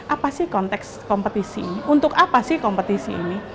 apa sih konteks kompetisi ini untuk apa sih kompetisi ini